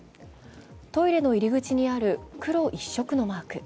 トイレの入り口にある黒一色のマーク。